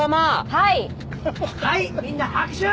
はいはいみんな拍手！